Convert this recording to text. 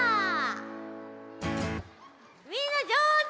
みんなじょうず！